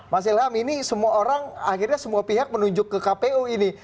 mas ilham ini semua orang akhirnya semua pihak menunjuk ke kpu ini